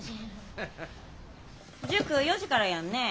塾４時からやんね？